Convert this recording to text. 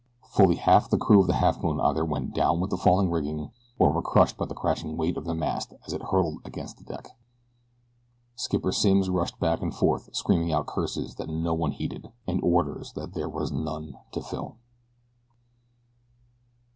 Fully half the crew of the Halfmoon either went down with the falling rigging or were crushed by the crashing weight of the mast as it hurtled against the deck. Skipper Simms rushed back and forth screaming out curses that no one heeded, and orders that there was none to fill.